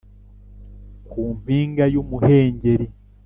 ku mpinga y'umuhengeri